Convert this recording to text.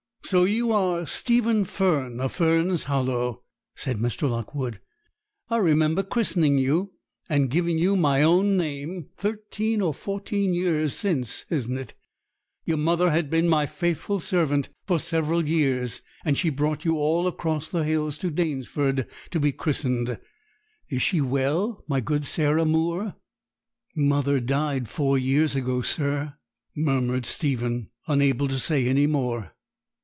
'So you are Stephen Fern, of Fern's Hollow,' said Mr. Lockwood; 'I remember christening you, and giving you my own name, thirteen or fourteen years since, isn't it? Your mother had been my faithful servant for several years; and she brought you all across the hills to Danesford to be christened. Is she well my good Sarah Moore?' 'Mother died four years ago, sir,' murmured Stephen, unable to say any more.